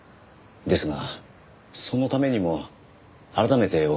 ですがそのためにも改めてお聞きしたいんです。